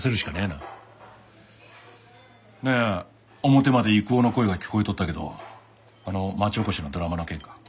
なんや表まで郁夫の声が聞こえとったけどあの町おこしのドラマの件か？